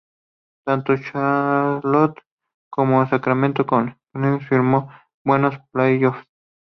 Tanto en Charlotte, como en Sacramento como en Phoenix firmó buenos playoffs.